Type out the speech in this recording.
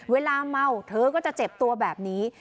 เวลาเมาเธอก็จะเจ็บตัวแบบนี้